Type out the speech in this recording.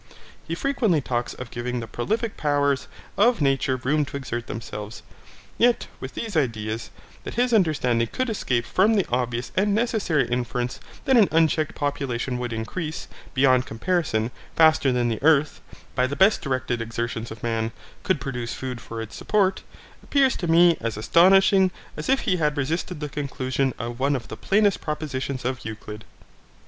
He frequently talks of giving the prolifick powers of nature room to exert themselves. Yet with these ideas, that his understanding could escape from the obvious and necessary inference that an unchecked population would increase, beyond comparison, faster than the earth, by the best directed exertions of man, could produce food for its support, appears to me as astonishing as if he had resisted the conclusion of one of the plainest propositions of Euclid.